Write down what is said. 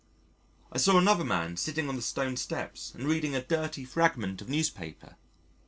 I saw another man sitting on the stone steps and reading a dirty fragment of newspaper.